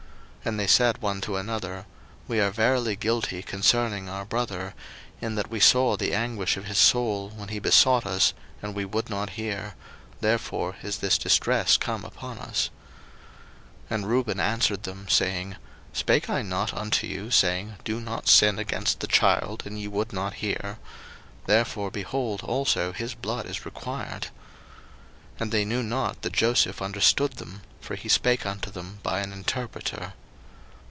01:042:021 And they said one to another, We are verily guilty concerning our brother, in that we saw the anguish of his soul, when he besought us, and we would not hear; therefore is this distress come upon us. 01:042:022 And Reuben answered them, saying, Spake I not unto you, saying, Do not sin against the child; and ye would not hear? therefore, behold, also his blood is required. 01:042:023 And they knew not that Joseph understood them; for he spake unto them by an interpreter.